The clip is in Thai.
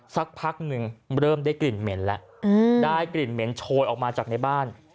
สักพักหนึ่งเริ่มได้กลิ่นเหม็นแล้วได้กลิ่นเหม็นโชยออกมาจากในบ้าน